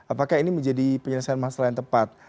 apakah ini menjadi penyelesaian masalah yang tepat